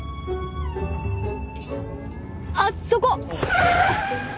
あっそこ！